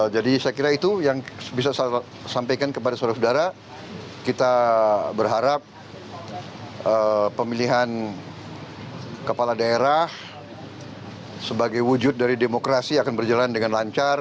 jadi saya kira itu yang bisa saya sampaikan kepada saudara saudara kita berharap pemilihan kepala daerah sebagai wujud dari demokrasi akan berjalan dengan lancar